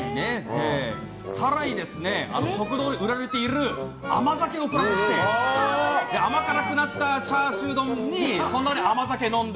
更に食堂で売られている甘酒をプラスして甘辛くなったチャーシュー丼に甘酒を飲んで